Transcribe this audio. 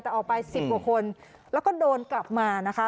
แต่ออกไปสิบเหมือนคนแล้วก็โดนกลับมานะคะ